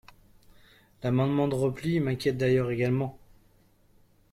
L’amendement de repli m’inquiète d’ailleurs également.